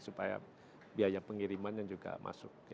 supaya biaya pengiriman yang juga masuk